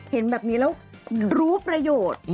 เห็นแบบนี้แล้วรู้ประโยชน์